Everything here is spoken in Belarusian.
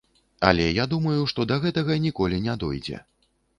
Але я думаю, што да гэтага ніколі не дойдзе.